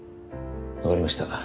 わかりました。